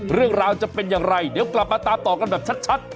เรื่องราวจะเป็นอย่างไรเดี๋ยวกลับมาตามต่อกันแบบชัด